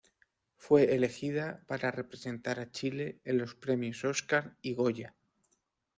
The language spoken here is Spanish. Fue elegida para representar a Chile en los premios Óscar y Goya.